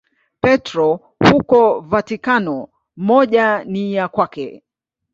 Petro huko Vatikano, moja ni ya kwake.